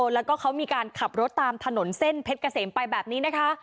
แล้วก็เขามีการขับรถตามถนนเส้นเพชรเกษมไปแบบนี้นะคะ